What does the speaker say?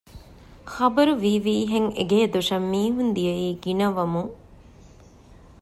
ޚަބަރު ވީވީހެން އެގޭ ދޮށަށް މީހުން ދިޔައީ ގިނަވަމުން